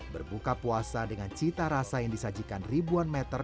berbuka puasa dengan cita rasa yang disajikan ribuan meter